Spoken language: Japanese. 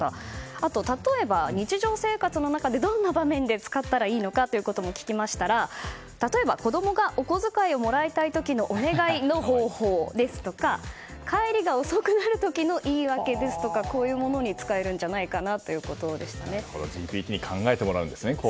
あと、例えば日常生活の中でどんな場面で使ったらいいのかということを聞きましたら、例えば子供がお小遣いをもらいたい時のお願いの方法ですとか帰りが遅くなる時の言い訳ですとかこういうものに使えるんじゃＧＰＴに考えてもらうんですね。